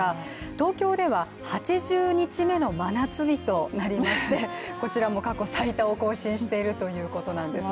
東京では８０日目の真夏日となりまして、こちらも過去最多を更新しているということなんですね。